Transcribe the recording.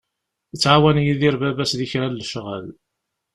Ittɛawan Yidir baba-s di kra n lecɣal.